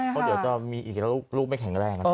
เพราะเดี๋ยวจะมีอีกแล้วลูกไม่แข็งแรง